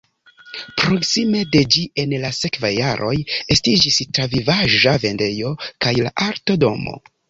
Proksime de ĝi en la sekvaj jaroj estiĝis travivaĵa vendejo kaj la Arto-domo.